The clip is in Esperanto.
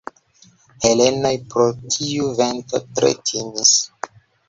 Helenoj pro tiu vento tre timis.